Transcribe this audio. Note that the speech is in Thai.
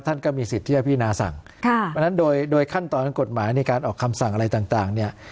ท่านก็มีสิทธิ์ที่ให้พินาสั่งด้วยขั้นตอนกฎหมายในการออกคำสั่งอะไรต่างเนี่ย